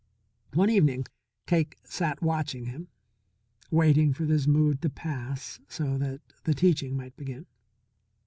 One evening Cake sat watching him, waiting for this mood to pass so that the teaching might begin.